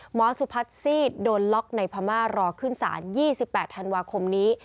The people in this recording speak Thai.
สุพัฒนซีดโดนล็อกในพม่ารอขึ้นศาล๒๘ธันวาคมนี้